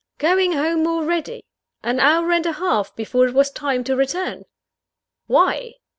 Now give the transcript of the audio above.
Going home already! An hour and a half before it was time to return! Why?